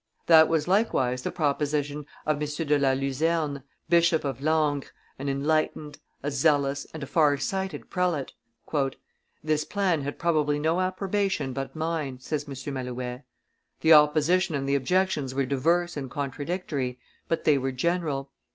That was likewise the proposition of M. de La Luzerne, Bishop of Langres, an enlightened, a zealous, and a far sighted prelate. "This plan had probably no approbation but mine," says M. Malouet. The opposition and the objections were diverse and contradictory, but they were general.